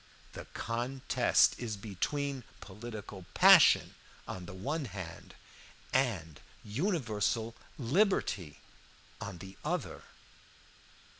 "The contest is between political passion on the one hand and universal liberty on the other.